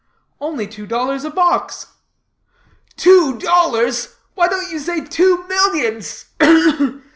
"Only two dollars a box." "Two dollars? Why don't you say two millions?